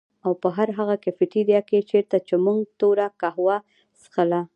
او په هر هغه کيفېټيريا کي چيرته چي مونږ توره کهوه څښله